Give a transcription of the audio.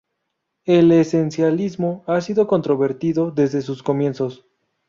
El esencialismo ha sido controvertido desde sus comienzos.